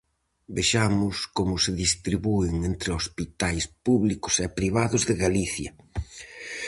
Vexamos como se distribúen entre hospitais públicos e privados de Galicia: